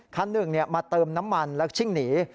คันหนึ่งมาเติมน้ำมันแล้วชิ่งหนี